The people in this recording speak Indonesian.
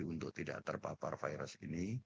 untuk tidak terpapar virus ini